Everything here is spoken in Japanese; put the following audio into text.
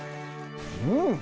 うん！